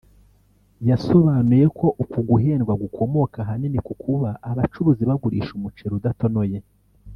yasobanuye ko uku guhendwa gukomoka ahanini ku kuba abacuruzi bagurisha umuceri udatonoye